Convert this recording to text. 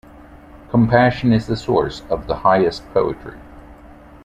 'Compassion is the source of the highest poetry.